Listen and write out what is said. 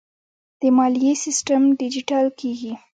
د مالیې سیستم ډیجیټل کیږي